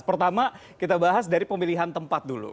pertama kita bahas dari pemilihan tempat dulu